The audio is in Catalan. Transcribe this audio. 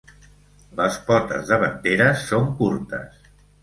Les potes davanteres són curtes.